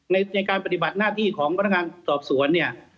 ในการปฏิบัติหน้าที่ของพนักงานสอบสวนเนี่ย